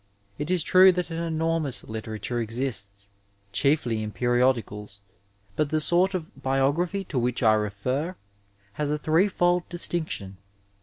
It is true that an enor mous literature exists, chiefly in periodicals, but the sort of biography to which I refer has a threefold distinction.